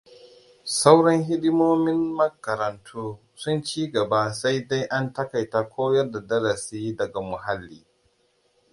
Sauran hidimomin makaruntu sun cigaba sai dai an takaita koyar da darasi daga muhalli.